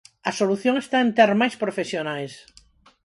A solución está en ter máis profesionais.